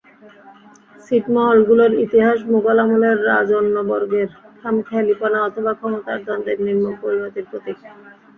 ছিটমহলগুলোর ইতিহাস মোগল আমলের রাজন্যবর্গের খামখেয়ালিপনা অথবা ক্ষমতার দ্বন্দ্বের নির্মম পরিণতির প্রতীক।